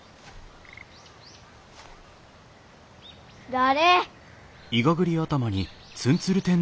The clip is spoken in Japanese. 誰！？